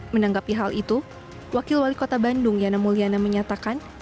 menanggapi hal itu wakil wali kota bandung yana mulyana menyatakan